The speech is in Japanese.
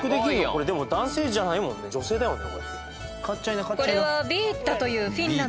これでも男性じゃないもんね女性だよね？